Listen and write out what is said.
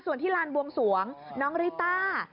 ส่วนที่ลานบวงสวงน้องริต้า